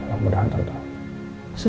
aku mudah hantar tau